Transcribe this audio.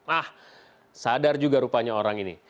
ah sadar juga rupanya orang ini